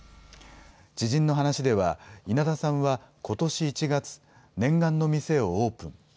知人の話では、稲田さんはことし１月、念願の店をオープン。